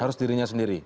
harus dirinya sendiri